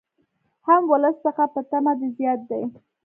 هم ولس څخه په طمع د زکات دي